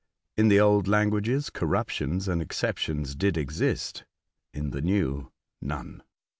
In the old languages corruptions and exceptions did exist, in the new none."